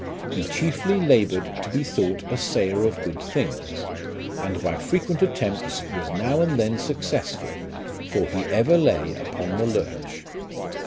He chiefly laboured to be thought a sayer of good things ; and by frequent attempts was now and then successful, for he ever lay upon the lurch.